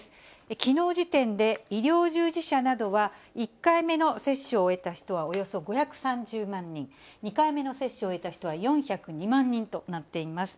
きのう時点で医療従事者などは、１回目の接種を終えた人はおよそ５３０万人、２回目の接種を終えた人は４０２万人となっています。